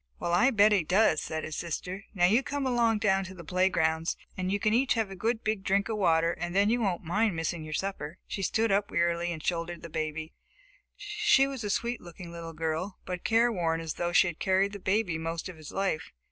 "Well, I bet he does!" said his sister. "Now you come along down to the playgrounds, and you can each have a good big drink of water and then you won't mind missing your supper." She stood up wearily and shouldered the baby. She was a sweet looking little girl, but careworn as though she had carried the baby most of his life.